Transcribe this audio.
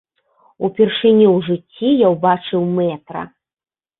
Упершыню ў жыцці я ўбачыў мэтра.